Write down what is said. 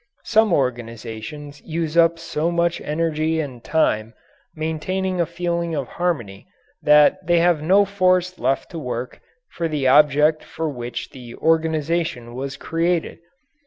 Some organizations use up so much energy and time maintaining a feeling of harmony that they have no force left to work for the object for which the organization was created.